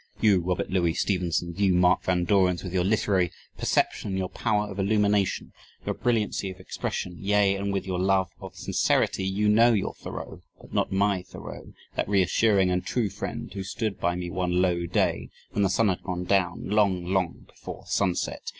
You, Robert Louis Stevensons! You, Mark Van Dorens! with your literary perception, your power of illumination, your brilliancy of expression, yea, and with your love of sincerity, you know your Thoreau, but not my Thoreau that reassuring and true friend, who stood by me one "low" day, when the sun had gone down, long, long before sunset.